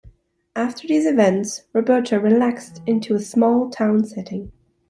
After these events, Roberta relaxed into a more small-town setting.